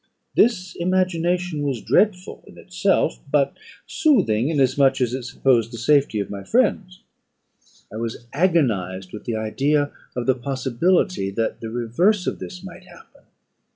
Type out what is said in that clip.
This imagination was dreadful in itself, but soothing, inasmuch as it supposed the safety of my friends. I was agonised with the idea of the possibility that the reverse of this might happen.